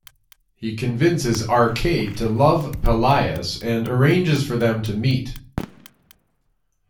He convinces Arcade to love Pellias and arranges for them to meet.